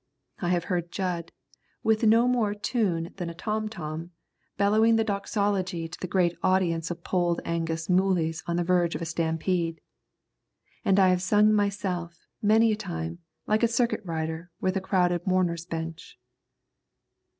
I have heard Jud, with no more tune than a tom tom, bellowing the doxology to a great audience of Polled Angus muleys on the verge of a stampede. And I have sung myself, many a time, like a circuit rider with a crowded mourner's bench.